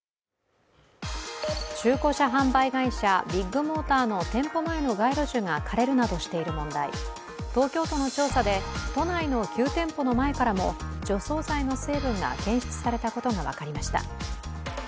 中古車販売会社、ビッグモーターの店舗前の街路樹が枯れるなどしている問題、東京都の調査で都内の９店舗の前からも除草剤の成分が検出されたことが分かりました。